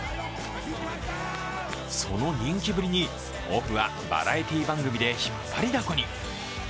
その人気ぶりに、オフはバラエティー番組で引っ張りだこに。